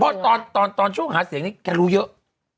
เพราะตอนช่วงหาเสียงนี้แกรู้เยอะ